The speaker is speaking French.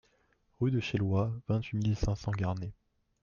Rue de Chailloy, vingt-huit mille cinq cents Garnay